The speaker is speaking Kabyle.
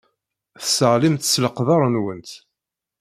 Tesseɣlimt s leqder-nwent.